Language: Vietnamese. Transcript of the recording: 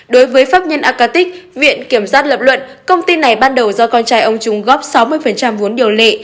đối với pháp nhân acatic viện kiểm sát lập luận công ty này ban đầu do con trai ông trung góp sáu mươi vốn điều lệ